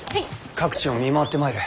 各地を見回ってまいる。